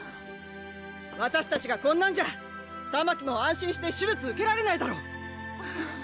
わたしたちがこんなんじゃたまきも安心して手術受けられないだろ！